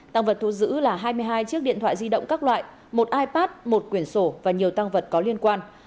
tăng vật thu giữ là hai mươi hai chiếc điện thoại di động các loại một ipad một quyển sổ và nhiều tăng vật có liên quan